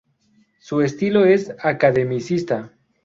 Su estilo es academicista.